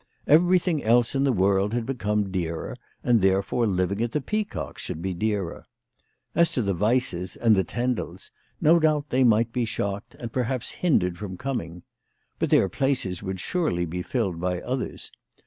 Everything else in the world had become dearer, and therefore living at the Peacock should be dearer. As to the Weisses and the Tendels, no doubt they might be shocked, and perhaps hindered from coming. But their places would surely be filled by others.